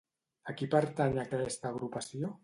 A qui pertany aquesta agrupació?